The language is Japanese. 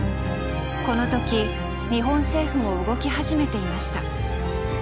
この時日本政府も動き始めていました。